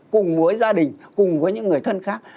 cùng với gia đình cùng với những người thân khác